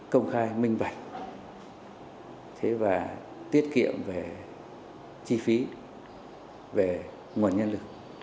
công khai minh vạch và tiết kiệm về chi phí về nguồn nhân lực